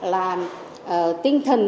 là tinh thần